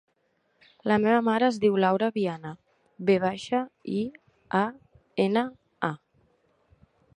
La meva mare es diu Laura Viana: ve baixa, i, a, ena, a.